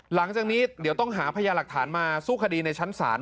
หลังจากนี้เดี๋ยวต้องหาพยาหลักฐานมาสู้คดีในชั้นศาล